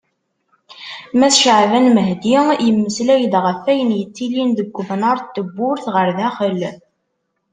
Mass Caɛban Mahdi, yemmeslay-d ɣef wayen yettilin seg umnar n tewwurt ɣer daxel.